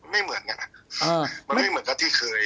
ไม่เหมือนกันนะมันไม่เหมือนกับที่เคย